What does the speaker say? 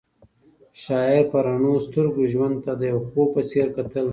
شاعر په رڼو سترګو ژوند ته د یو خوب په څېر کتل.